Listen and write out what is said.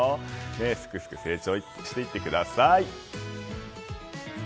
すくすく成長していってください。